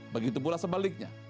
begitu pula sebaliknya